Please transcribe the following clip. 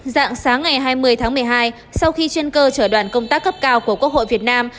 dạng sáng ngày hai mươi tháng một mươi hai sau khi chuyên cơ chở đoàn công tác cấp cao của quốc hội việt nam